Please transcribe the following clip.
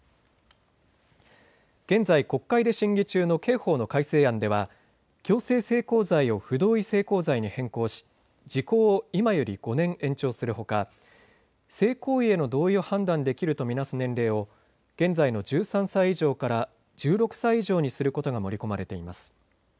現在、国会で審議中の刑法の改正案では強制性交罪を不同意性交罪に変更し時効を今より５年延長するほか性行為への同意を判断できると見なす年齢を現在の１３歳以上から１６歳以上にすることが盛り込まれています。